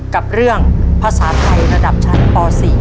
กับเรื่องภาษาไทยระดับชั้นป๔